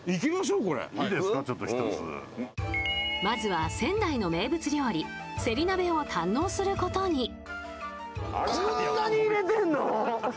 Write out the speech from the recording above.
まずは仙台の名物料理せり鍋を堪能することに。